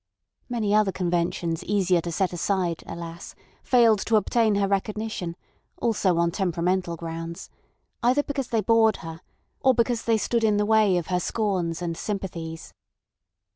Many other conventions easier to set aside, alas! failed to obtain her recognition, also on temperamental grounds—either because they bored her, or else because they stood in the way of her scorns and sympathies.